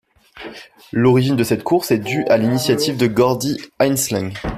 L'origine de cette course est due à l'initiative de Gordy Ainsleigh.